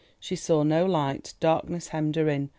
She saw no light, darkness hemmed her in.